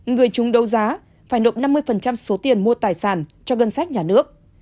người trúng đấu giá phải nộp năm mươi số tiền mua tài sản cho gân sách nhà nước